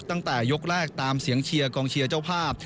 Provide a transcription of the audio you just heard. ตั้งแต่ยกแรกตามเสียงเชียร์กองเชียร์เจ้าภาพ